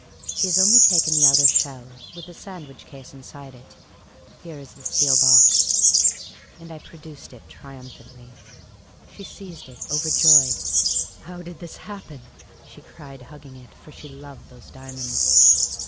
" He has only taken the outer shell, with the sandwich case inside it. Here is the steel box !" And I produced it triumphantly. She seized it, overjoyed. *' How did this happen ?" she cried, hugging it, for she loved those diamonds.